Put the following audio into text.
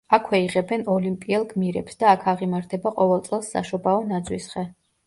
აქვე იღებენ ოლიმპიელ გმირებს და აქ აღიმართება ყოველ წელს საშობაო ნაძვის ხე.